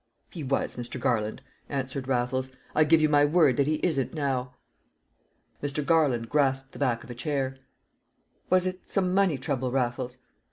"He was, Mr. Garland," answered Raffles. "I give you my word that he isn't now." Mr. Garland grasped the back of a chair. "Was it some money trouble, Raffles?